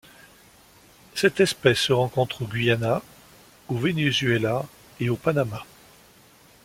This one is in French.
Cette espèce se rencontre au Guyana, au Venezuela et au Panamá.